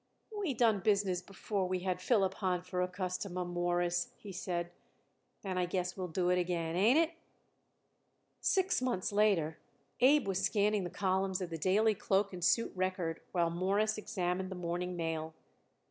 "We done business before we had Philip Hahn for a customer, Mawruss," he said, "and I guess we'll do it again. Ain't it?" Six months later Abe was scanning the columns of the Daily Cloak and Suit Record while Morris examined the morning mail.